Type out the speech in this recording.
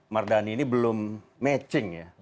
mardani ini belum matching